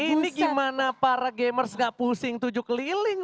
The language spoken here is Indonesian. ini gimana para gamers gak pusing tujuh keliling